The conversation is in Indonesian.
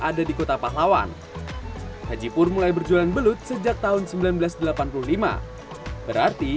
ada di kota pahlawan haji pur mulai berjualan belut sejak tahun seribu sembilan ratus delapan puluh lima berarti